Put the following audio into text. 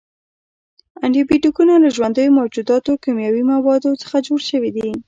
انټي بیوټیکونه له ژوندیو موجوداتو، کیمیاوي موادو څخه جوړ شوي دي.